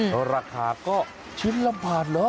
แล้วราคาก็ชิ้นละบาทเหรอ